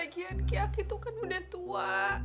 lagi ya aki aki tuh kan udah tua